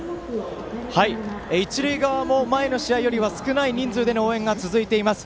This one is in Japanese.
一塁側も前の試合よりは少ない人数での応援が続いています。